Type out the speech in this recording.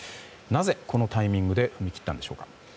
なぜ、このタイミングで踏み切ったんでしょうか？